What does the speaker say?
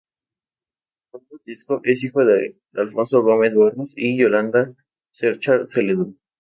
Juan Francisco es hijo de Alfonso Gómez Barros y Yolanda Cerchar Celedón.